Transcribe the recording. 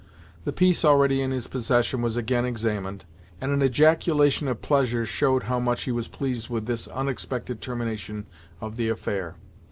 The piece already in his possession was again examined, and an ejaculation of pleasure showed how much he was pleased with this unexpected termination of the affair.